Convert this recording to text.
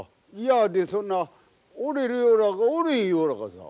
嫌でそんなおれるようならおれ言うらかさ。